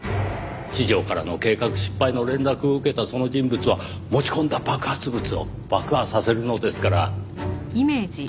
地上からの計画失敗の連絡を受けたその人物は持ち込んだ爆発物を爆破させるのですから。